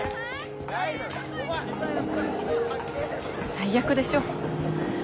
最悪でしょ？